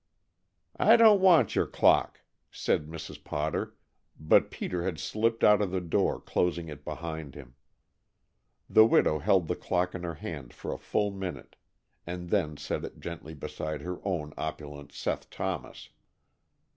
"I don't want your clock!" said Mrs. Potter, but Peter had slipped out of the door, closing it behind him. The widow held the clock in her hand for a full minute, and then set it gently beside her own opulent Seth Thomas.